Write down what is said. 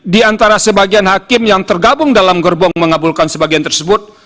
di antara sebagian hakim yang tergabung dalam gerbong mengabulkan sebagian tersebut